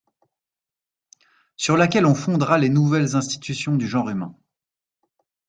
Sur laquelle on fondera les nouvelles institutions du genre humain!